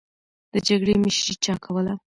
د جګړې مشري چا کوله؟